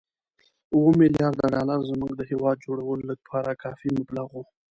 اووه ملیارده ډالر زموږ د هېواد جوړولو لپاره کافي مبلغ وو.